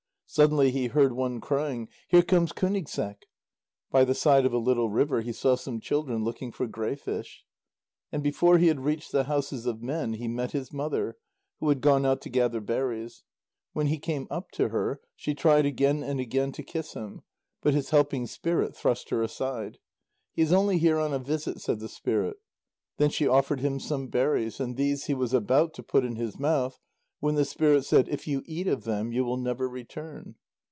Suddenly he heard one crying: "Here comes Kúnigseq." By the side of a little river he saw some children looking for greyfish. And before he had reached the houses of men, he met his mother, who had gone out to gather berries. When he came up to her, she tried again and again to kiss him, but his helping spirit thrust her aside. "He is only here on a visit," said the spirit. Then she offered him some berries, and these he was about to put in his mouth, when the spirit said: "If you eat of them, you will never return."